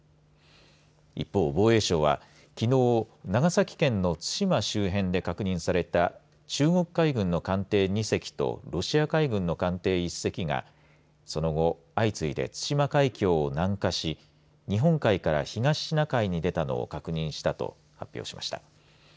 一方、防衛省はきのう長崎県の対馬周辺で確認された中国海軍の艦艇２隻とロシア海軍の艦艇１隻がその後、相次いで対馬海峡を南下し日本海から東シナ海に出たのを確認したと発表しました。